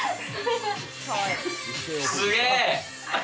すげえ！